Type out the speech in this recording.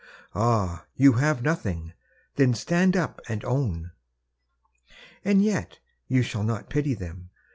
Ah, you have nothing! Then stand up and own! And yet you shall not pity them